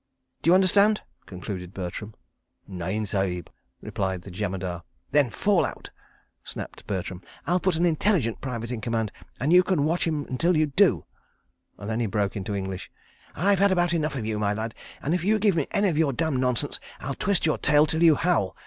"D'you understand?" concluded Bertram. "Nahin, Sahib," replied the Jemadar. "Then fall out," snapped Bertram. "I'll put an intelligent private in command, and you can watch him until you do," and then he broke into English: "I've had about enough of you, my lad, and if you give me any of your damned nonsense, I'll twist your tail till you howl.